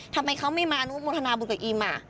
ทำไมเขาไม่มาอนุโมทนาบุญกับอิม